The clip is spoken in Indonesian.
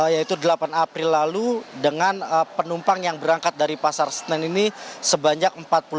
yaitu delapan april lalu dengan penumpang yang berangkat dari pasar senen ini sebanyak empat puluh lima